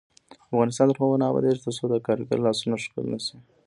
افغانستان تر هغو نه ابادیږي، ترڅو د کارګر لاسونه ښکل نشي.